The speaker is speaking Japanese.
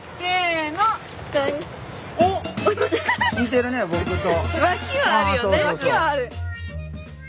似てるね僕と。